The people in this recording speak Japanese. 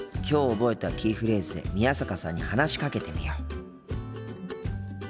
きょう覚えたキーフレーズで宮坂さんに話しかけてみよう。